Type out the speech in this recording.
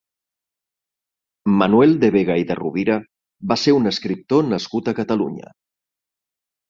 Manuel de Vega i de Rovira va ser un escriptor nascut a Catalunya.